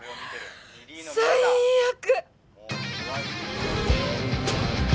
最悪！